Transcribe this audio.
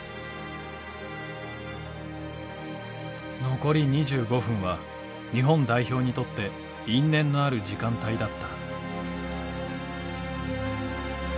残り２５分は日本代表にとって因縁のある時間帯だった。